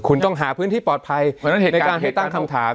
คุณต้องหาพื้นที่ปลอดภัยในการให้ตั้งคำถาม